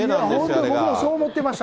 本当にそう思ってました。